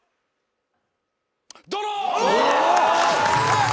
ドロー！